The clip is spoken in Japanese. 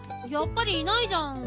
やっぱりいないじゃん